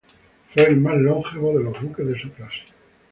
Fue el más longevo de los buques de su clase.